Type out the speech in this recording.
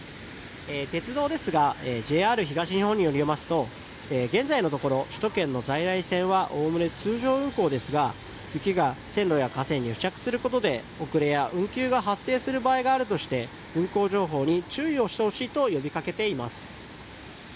鉄道ですがＪＲ東日本によりますと現在のところ首都圏の在来線はおおむね通常運行ですが雪が線路や架線に付着することで遅れや運休が発生する場合があるとして運行情報に注意をしてほしいと呼びかけています。